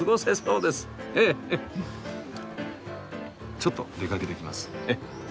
ちょっと出かけてきます。